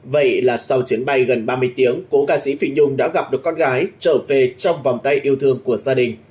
vậy là sau chuyến bay gần ba mươi tiếng cố ca sĩ phi nhung đã gặp được con gái trở về trong vòng tay yêu thương của gia đình